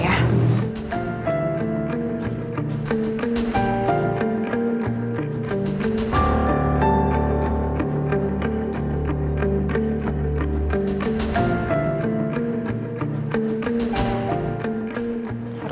akan masuk ke rego